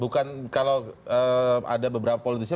bukan kalau ada beberapa politisi